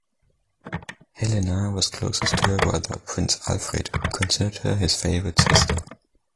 Helena was closest to her brother, Prince Alfred, who considered her his favourite sister.